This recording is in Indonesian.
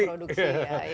ini kan hutan produksi ya